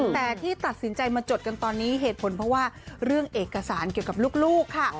แต่ที่ตัดสินใจมาจดกันตอนนี้เหตุผลเพราะว่าเรื่องเอกสารเกี่ยวกับลูกค่ะ